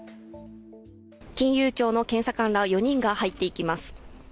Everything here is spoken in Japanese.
金融庁の検査官ら４人が入っていきます。